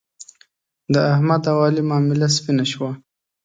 د احمد او علي معامله سپینه شوه.